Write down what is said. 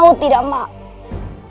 mau tidak mau